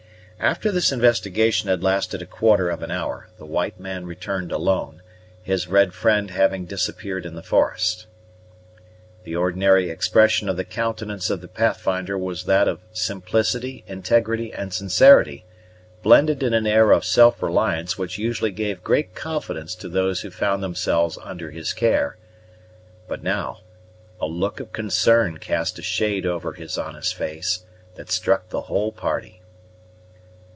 After this investigation had lasted a quarter of an hour, the white man returned alone, his red friend having disappeared in the forest. The ordinary expression of the countenance of the Pathfinder was that of simplicity, integrity, and sincerity, blended in an air of self reliance which usually gave great confidence to those who found themselves under his care; but now a look of concern cast a shade over his honest face, that struck the whole party.